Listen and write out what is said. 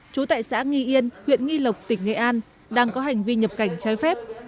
trú tại xã nghi yên huyện nghi lộc tỉnh nghệ an đang có hành vi nhập cảnh trái phép